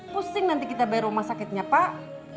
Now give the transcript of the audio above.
pusing nanti kita bayar rumah sakitnya pak